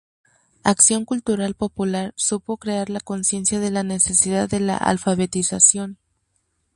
Acción Cultural Popular supo crear la conciencia de la necesidad de la alfabetización.